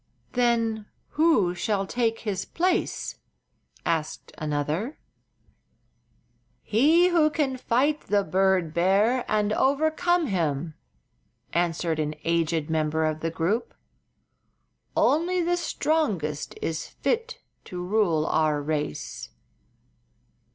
"Then who shall take his place?" asked another. "He who can fight the bird bear and overcome him," answered an aged member of the group. "Only the strongest is fit to rule our race."